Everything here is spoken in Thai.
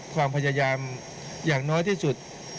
ความพยายามอย่างน้อยที่สุด